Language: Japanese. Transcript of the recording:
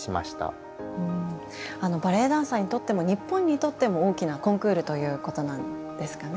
バレエダンサーにとっても日本にとっても大きなコンクールということなんですかね。